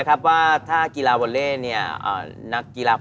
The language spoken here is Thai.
๓๑แต่ว่าหน้าตาน่ารักมาก